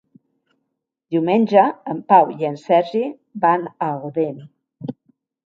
Diumenge en Pau i en Sergi van a Odèn.